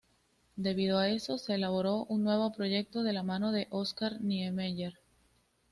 Debido a eso, se elaboró un nuevo proyecto de la mano de Oscar Niemeyer.